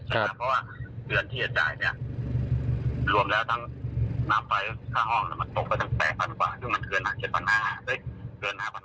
เพราะว่าเวลาที่จะจ่ายเนี่ยรวมแล้วทั้งน้ำไฟข้างห้องมันตกไปตั้งแต่๘๐๐๐บาทซึ่งมันเวลาถึง๗๕๐๐บาท